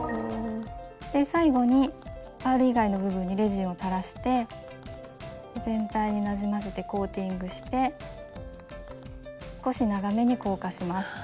最後にパール以外の部分にレジンを垂らして全体になじませてコーティングして少し長めに硬化します。